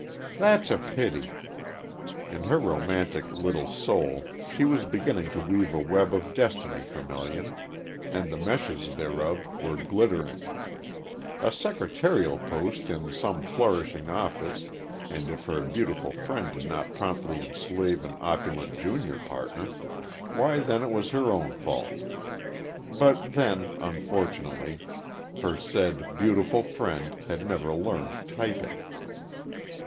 "That's a pity." In her romantic little soul she was beginning to weave a web of destiny for Melian, and the meshes thereof were glittering. A secretarial post in some flourishing office, and if her beautiful friend did not promptly enslave an opulent junior partner, why then it was her own fault. But then, unfortunately, her said "beautiful friend" had never learned typing.